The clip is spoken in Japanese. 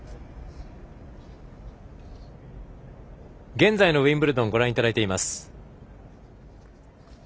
現在のウィンブルドンご覧いただいています。